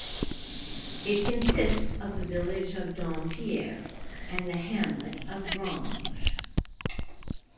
It consists of the village of Dompierre and the hamlet of Granges.